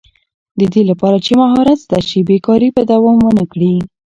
د دې لپاره چې مهارت زده شي، بېکاري به دوام ونه کړي.